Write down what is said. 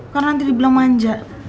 karena nanti dibilang manja